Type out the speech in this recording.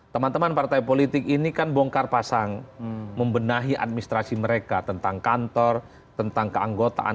teman teman partai politik ini kan bongkar pasang membenahi administrasi mereka tentang kantor tentang keanggotaan